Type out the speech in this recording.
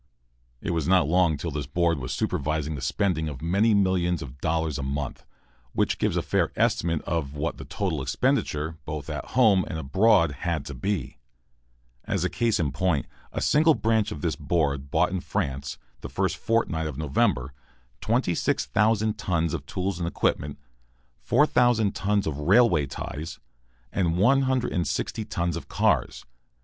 It was not long till this board was supervising the spending of many millions of dollars a month, which gives a fair estimate of what the total expenditure, both at home and abroad, had to be. As a case in point, a single branch of this board bought in France, the first fortnight of November, 26,000 tons of tools and equipment, 4,000 tons of railway ties, and 160 tons of cars.